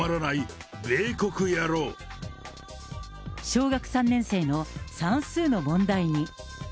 小学３年生の算数の問題に。